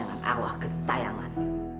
dengan arwah kentayangan